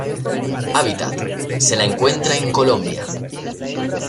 Hábitat: se la encuentra en Colombia.